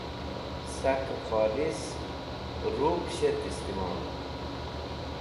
Sakẽ kholis rũv shet istimol.